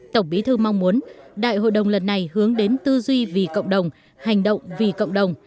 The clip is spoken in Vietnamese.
tổng bí thư mong muốn đại hội đồng lần này hướng đến tư duy vì cộng đồng hành động vì cộng đồng